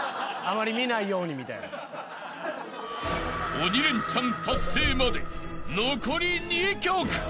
［鬼レンチャン達成まで残り２曲］